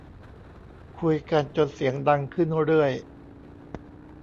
คุยกันจนเสียงดังขึ้นเรื่อย